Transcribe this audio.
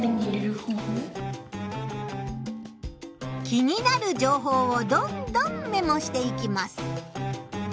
気になる情報をどんどんメモしていきます。